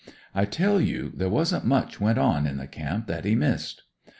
I tell you there wasn't much went on in the camp that he missed.